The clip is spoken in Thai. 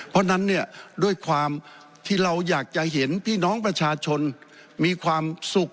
เพราะฉะนั้นเนี่ยด้วยความที่เราอยากจะเห็นพี่น้องประชาชนมีความสุข